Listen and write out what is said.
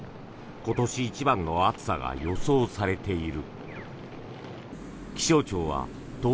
今年一番の暑さが予想されている。